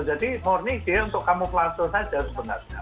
jadi murni dia untuk kamu pelantur saja sebenarnya